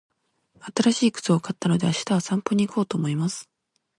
新しい靴を買ったので、明日は散歩に行こうと思います。